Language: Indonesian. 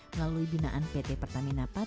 melalui binaan pt pertamina pat